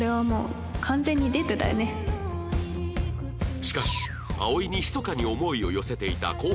しかし葵にひそかに思いを寄せていた後輩